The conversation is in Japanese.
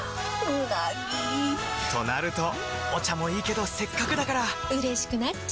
うなぎ！となるとお茶もいいけどせっかくだからうれしくなっちゃいますか！